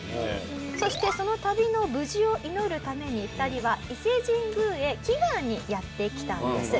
そしてその旅の無事を祈るために２人は伊勢神宮へ祈願にやって来たんです。